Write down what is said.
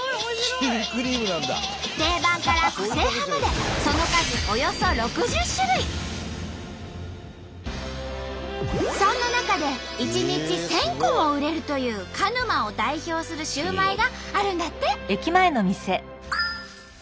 定番から個性派までその数そんな中で１日１，０００個も売れるという鹿沼を代表するシューマイがあるんだって。